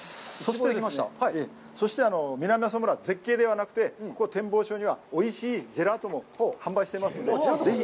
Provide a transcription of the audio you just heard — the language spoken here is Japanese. そして、南阿蘇村、絶景ではなくて、ここ、展望所にはおいしいジェラートも販売してますんで、ぜひ。